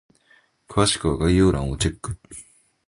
詳しくは概要欄をチェック！